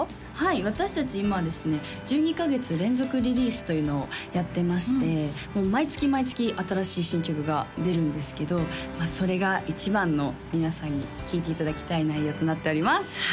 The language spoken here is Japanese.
私達今ですね１２カ月連続リリースというのをやってまして毎月毎月新しい新曲が出るんですけどそれが一番の皆さんに聴いていただきたい内容となっております